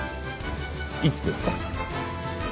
いつですか？